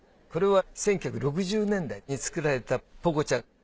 これは１９６０年代に作られたポコちゃん。